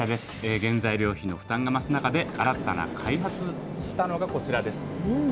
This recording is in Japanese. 原材料費の負担が増す中で、新たな開発したのがこちらです。